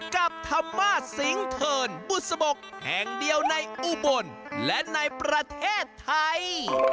กับธรรมาศสิงเทิร์นบุษบกแห่งเดียวในอุบลและในประเทศไทย